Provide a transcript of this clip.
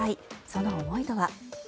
その思いとは。